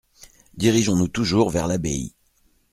Dirigeons-nous toujours vers l'abbaye.